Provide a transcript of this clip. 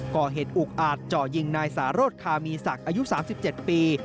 ก่อเหตุอุกอาจจ่อยิงนายสารสคามีศักดิ์อายุ๓๗ปี